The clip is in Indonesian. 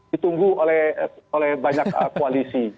ditunggu oleh banyak koalisi